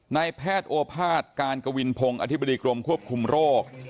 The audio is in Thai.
นายแพทย์โอภาษย์การกวินพงศ์อธิบดีกรมควบคุมโรค